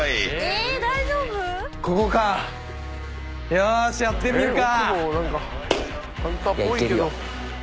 よしやってみるか。